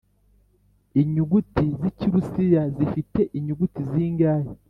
inyuguti z'ikirusiya zifite inyuguti zingahe?